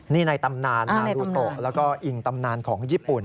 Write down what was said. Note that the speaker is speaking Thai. นี่ในตำนานนาดูโตะแล้วก็อิงตำนานของญี่ปุ่น